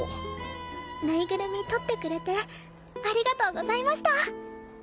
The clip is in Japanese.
ぬいぐるみ取ってくれてありがとうございました！